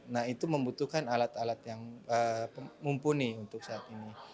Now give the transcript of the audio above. nah itu membutuhkan alat alat yang mumpuni untuk saat ini